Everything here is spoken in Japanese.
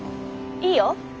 いいよ